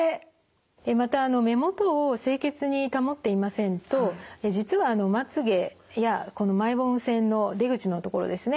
また目元を清潔に保っていませんと実はまつげやこのマイボーム腺の出口の所ですね